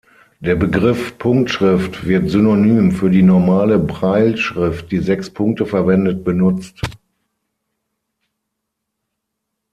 Der Begriff Punktschrift wird synonym für die normale Brailleschrift, die sechs Punkte verwendet, benutzt.